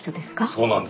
そうなんです。